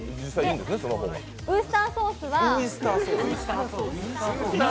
ウイスタソースは。